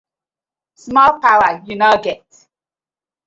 Small powar yu no get.